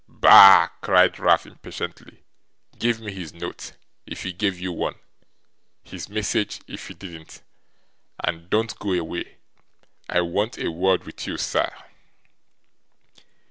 'Bah!' cried Ralph impatiently. 'Give me his note, if he gave you one: his message, if he didn't. And don't go away. I want a word with you, sir.